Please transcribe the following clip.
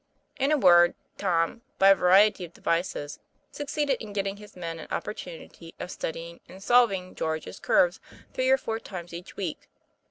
In a word, Tom, by a variety of devices, succeeded in getting his men an opportunity of studying and "solving" George's curves three or four times each week.